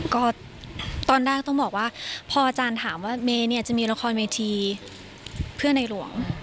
ก็ตอนแรกต้องบอกว่าพออาจารย์ถามว่าเมย์เนี่ยจะมีละครเวทีเพื่อในหลวง